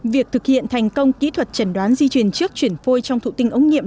việc thực hiện thành công kỹ thuật trần đoán di truyền trước chuyển phôi trong thụ tình ống nghiệm